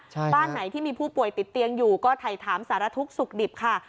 บ้านไหนที่มีผู้ป่วยติดเตียงอยู่ก็ถ่ายถามสารทุกข์สุขดิบค่ะ